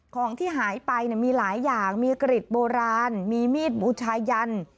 ของที่หายไปมีหลายอย่างมีกริดโบราณมีมีดบูชายัน